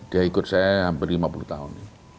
dia ikut saya hampir lima puluh tahun